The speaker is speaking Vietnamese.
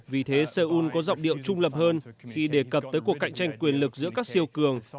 vì thế seoul có giọng điệu trung lập hơn khi đề cập tới cuộc cạnh tranh quyền lực giữa các siêu cường